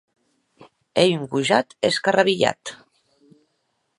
Ei un gojat escarrabilhat.